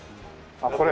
あっこれ？